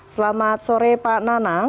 selamat sore pak nanang